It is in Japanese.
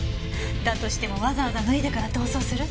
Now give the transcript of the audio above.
だとしてもわざわざ脱いでから逃走する？